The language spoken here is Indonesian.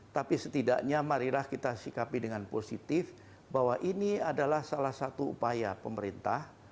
tapi setidaknya marilah kita sikapi dengan positif bahwa ini adalah salah satu upaya pemerintah